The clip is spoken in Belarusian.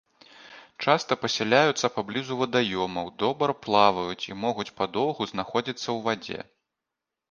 Часта пасяляюцца паблізу вадаёмаў, добра плаваюць і могуць падоўгу знаходзіцца ў вадзе.